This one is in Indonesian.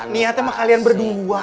niatnya mah kalian berdua